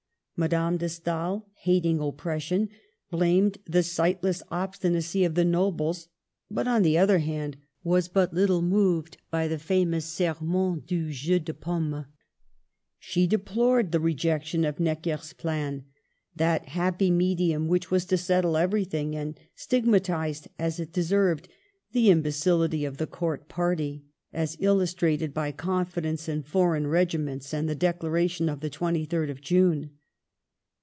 Madame de Stael, hating oppression, blamed the sightless obstinacy of the nobles, but, on the other hand, was but little moved by the famous Serment du yen de Pautne. She deplored the rejection of Necker's plan — that happy medium which was to settle everything, and stigmatized as it deserved the imbecility of the Court party, as illustrated by confidence in foreign regiments and the Declaration of the 23d June.